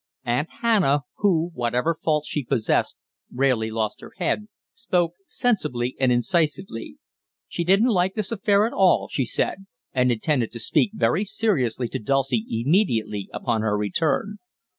Aunt Hannah, who, whatever faults she possessed, rarely lost her head, spoke sensibly and incisively. She didn't like this affair at all, she said, and intended to speak very seriously to Dulcie immediately upon her return.